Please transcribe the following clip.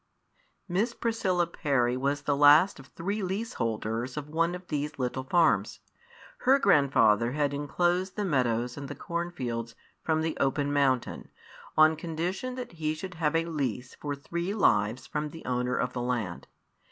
Miss Priscilla Parry was the last of three leaseholders of one of these little farms. Her grandfather had enclosed the meadows and the corn fields from the open mountain, on condition that he should have a lease for three lives from the owner of the land.